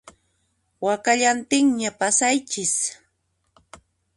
Wakallantinña pasaychis